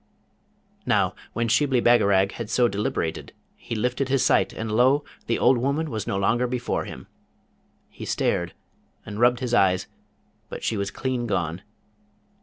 Now, when Shibli Bagarag had so deliberated, he lifted his sight, and lo, the old woman was no longer before him! He stared, and rubbed his eyes, but she was clean gone.